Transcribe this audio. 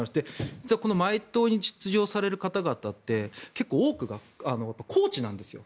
実は、この毎トーに出場される方がたって結構、多くがコーチなんです。